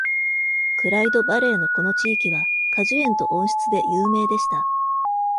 クライド・バレーのこの地域は、果樹園と温室で有名でした。